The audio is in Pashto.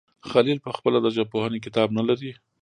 خلیل پخپله د ژبپوهنې کتاب نه لري.